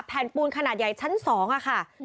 แผ่นปูนขนาดใหญ่ชั้น๒ค่ะ